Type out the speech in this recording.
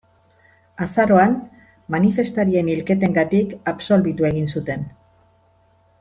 Azaroan, manifestarien hilketengatik absolbitu egin zuten.